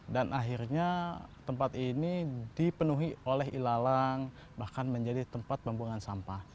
dan akhirnya tempat ini dipenuhi oleh ilalang bahkan menjadi tempat pembungan sampah